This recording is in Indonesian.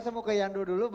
saya mau ke yando dulu